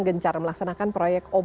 berkesan dan lebih